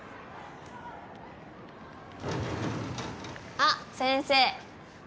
あっ先生。